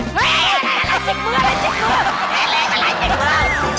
เฮ้ยอะไรจิ๊กมืออะไรจิ๊กมือ